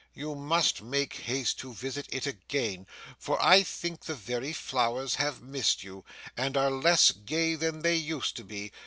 You must make haste to visit it again, for I think the very flowers have missed you, and are less gay than they used to be.